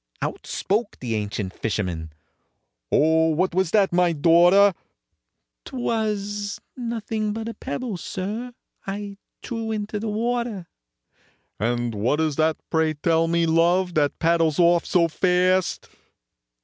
Out spoke the ancient fisherman, "Oh, what was that, my daughter?" "'T was nothing but a pebble, sir, I threw into the water." "And what is that, pray tell me, love, that paddles off so fast?"